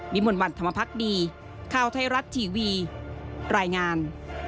มวลวันธรรมพักดีข่าวไทยรัฐทีวีรายงาน